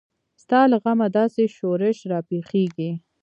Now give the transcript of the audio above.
ستا له غمه داسې شورش راپېښیږي.